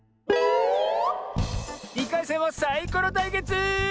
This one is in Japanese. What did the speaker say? ２かいせんはサイコロたいけつ！